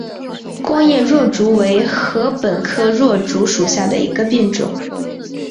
光叶箬竹为禾本科箬竹属下的一个变种。